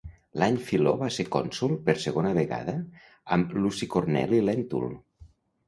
L'any Filó va ser cònsol per segona vegada amb Luci Corneli Lèntul.